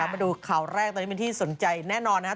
มาดูข่าวแรกตอนนี้เป็นที่สนใจแน่นอนนะครับ